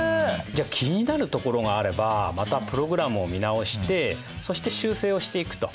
じゃあ気になるところがあればまたプログラムを見直してそして修正をしていくと。